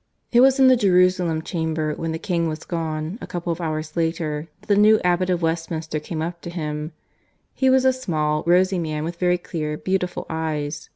... (II) It was in the Jerusalem chamber when the King was gone, a couple of hours later, that the new abbot of Westminster came up to him. He was a small, rosy man with very clear, beautiful eyes.